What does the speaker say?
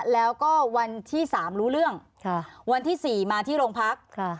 แล้วก็วันที่๓รู้เรื่องวันที่๔มาที่โรงพัก